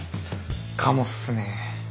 かもっすね。